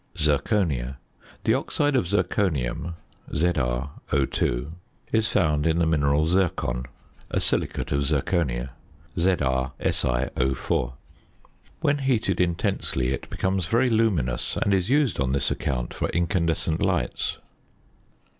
ZIRCONIA. The oxide of zirconium, ZrO_, is found in the mineral zircon, a silicate of zirconia, ZrSiO_. When heated intensely it becomes very luminous, and is used on this account for incandescent lights.